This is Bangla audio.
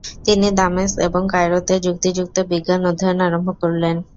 তিনি দামেস্ক এবং কায়রোতে যুক্তিযুক্ত বিজ্ঞান অধ্যয়ন আরম্ভ করলেন।